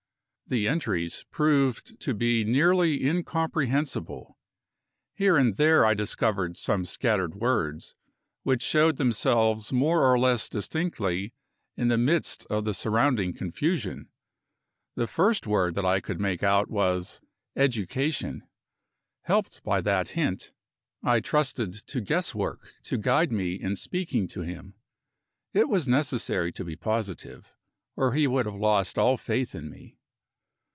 The entries proved to be nearly incomprehensible. Here and there I discovered some scattered words, which showed themselves more or less distinctly in the midst of the surrounding confusion. The first word that I could make out was "Education." Helped by that hint, I trusted to guess work to guide me in speaking to him. It was necessary to be positive, or he would have lost all faith in me.